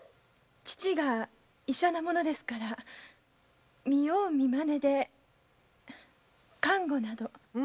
父が医者なものですから見よう見まねで看護など。